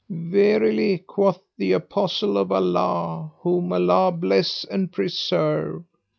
Verily quoth the Apostle of Allah (whom Allah bless and preserve!)